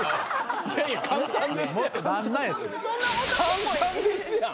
簡単ですやん。